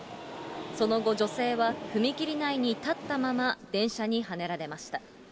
その後、女性は踏切内に立ったまま電車にはねられました。